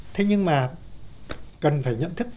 thế nhưng mà cần phải nhận thức